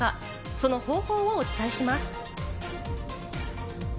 その方法をお伝えします。